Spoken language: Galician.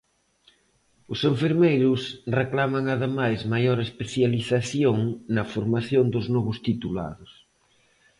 Os enfermeiros reclaman ademais maior especialización na formación dos novos titulados.